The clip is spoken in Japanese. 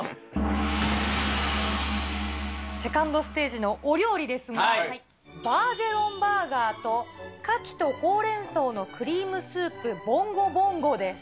早く次、セカンドステージのお料理ですが、バージェロンバーガーと牡蠣とほうれん草のクリームスープボンゴボンゴです。